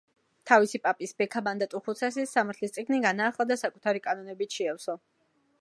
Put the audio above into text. თავისი პაპის, ბექა მანდატურთუხუცესის სამართლის წიგნი განაახლა და საკუთარი კანონებით შეავსო.